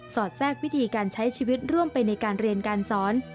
อดแทรกวิธีการใช้ชีวิตร่วมไปในการเรียนการสอน